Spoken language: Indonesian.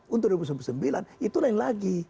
untuk dua ribu sembilan puluh sembilan itu lain lagi